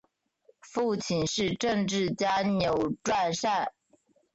父亲是政治家钮传善。